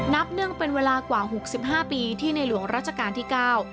เนื่องเป็นเวลากว่าหกสิบห้าปีที่ในหลวงราชการที่เก้า